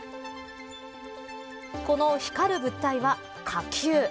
この光る物体は火球。